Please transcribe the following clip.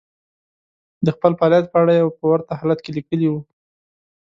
د خپل فعاليت په اړه يې په ورته حالت کې ليکلي وو.